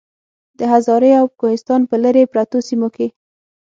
د هزارې او کوهستان پۀ لرې پرتو سيمو کې